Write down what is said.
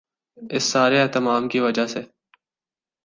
اس سارے اہتمام کی وجہ سے